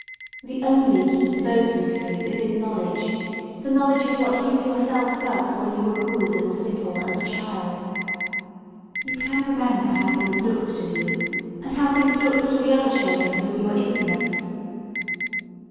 The only key to those mysteries is in knowledge, the knowledge of what you yourself felt when you were good and little and a child. You can remember how things looked to you, and how things looked to the other children who were your intimates.